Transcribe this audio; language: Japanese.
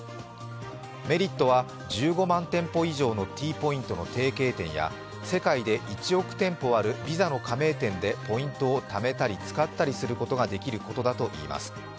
メリットは１５万店舗以上のＴポイントの提携店や世界で１億店舗あるＶＩＳＡの加盟店でポイントをためたり使ったりすることができることだといいます。